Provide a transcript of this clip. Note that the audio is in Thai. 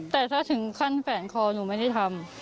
แต่ถ้าถึงขั้นแฝนคอหนูไม่ได้ทำ